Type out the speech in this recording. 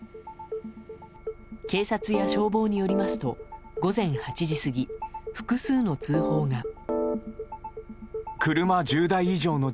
警察や消防によりますと午前８時過ぎ複数の通報が。